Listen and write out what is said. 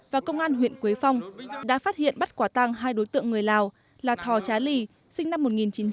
và công an huyện quế phong đã phát hiện bắt quả tăng hai đối tượng người lào là thò trá lì sinh năm một nghìn chín trăm tám mươi